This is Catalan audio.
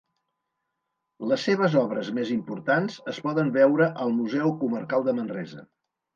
Les seves obres més importants es poden veure al Museu Comarcal de Manresa.